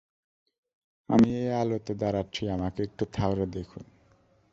আমি এই আলোতে দাঁড়াচ্ছি, আমাকে একটু ঠাউরে দেখুন!